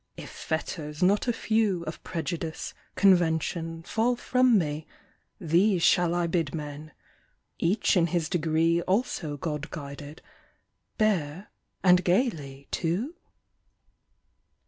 If fetters, not a few, Of prejudice, convention, fall from me, These shall I bid men each in his degree Also God guided bear, and gayly, too?